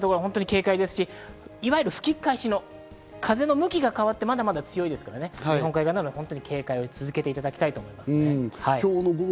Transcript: いわゆる吹き返しの風の向きが変わってまだまだ強いですから、警戒を続けていただきたいと思います。